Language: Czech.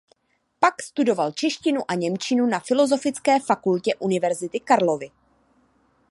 Pak studoval češtinu a němčinu na Filozofické fakultě Univerzity Karlovy.